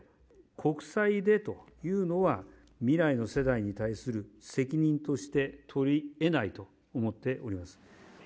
国債でというのは、未来の世代に対する責任として取りえないと思っております。